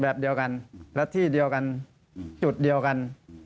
แบบเดียวกันและที่เดียวกันจุดเดียวกัน